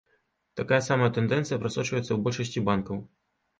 Такая сама тэндэнцыя прасочваецца ў большасці банкаў.